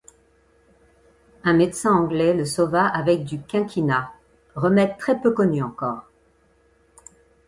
Un médecin anglais le sauva avec du quinquina, remède très peu connu encore.